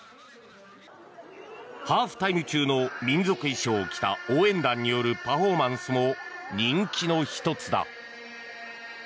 ハーフタイム中の民族衣装を着た応援団によるパフォーマンスも人気の１つだ。